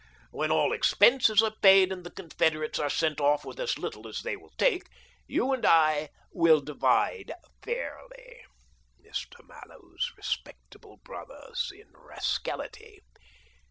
When all expenses are paid, and the confederates are sent off with as little as they will take, you and I will divide fairly, Mr. Mallows, respectable brothers in rascality.